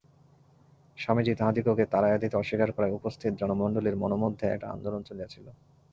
স্বামীজী তাহাদিগকে তাড়াইয়া দিতে অস্বীকার করায় উপস্থিত জনমণ্ডলীর মনোমধ্যে একটা আন্দোলন চলিয়াছিল।